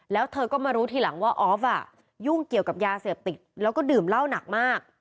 แล้วเธอก็รู้ทีหลังออฟยุ่งเกี่ยวกับยาเสิบติดและดื่มลาวหนักมาก